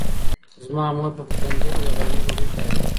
زما مور په پخلنځي کې د غرمې ډوډۍ تیاروي.